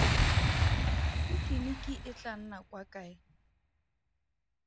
Pikiniki e tlaa nna kwa kae?